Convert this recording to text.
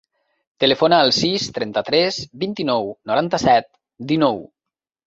Telefona al sis, trenta-tres, vint-i-nou, noranta-set, dinou.